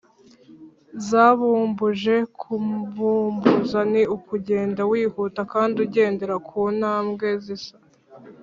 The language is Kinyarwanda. zabumbuje: kubumbuza ni ukugenda wihuta kandi ugendera ku tambwe zisa